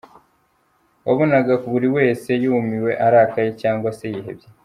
Wabonaga buri wese yumiwe, arakaye, cyangwa se yihebye!